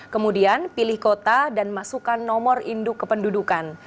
kemudian pilih kota dan masukkan nomor induk kependudukan